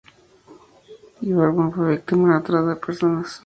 Ibargüen fue víctima de la trata de personas.